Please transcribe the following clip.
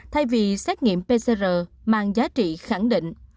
thay vì xét nghiệm pcr mang giá trị khẳng định